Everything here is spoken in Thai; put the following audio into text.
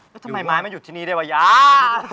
แล้วทำไมไม้มันอยู่ที่นี่ด้วยวะยา